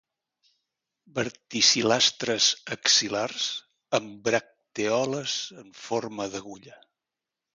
Verticil·lastres axil·lars amb bractèoles en forma d'agulla.